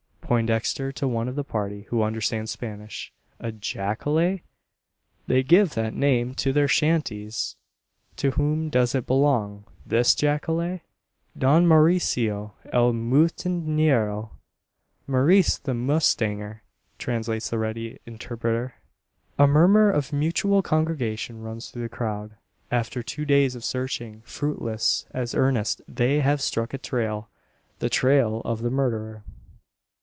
Poindexter to one of the party, who understands Spanish: "A jacale?" "They give that name to their shanties." "To whom does it belong this jacale?" "Don Mauricio, el mustenero." "Maurice the mustanger!" translates the ready interpreter. A murmur of mutual congratulation runs through the crowd. After two days of searching fruitless, as earnest they have struck a trail, the trail of the murderer!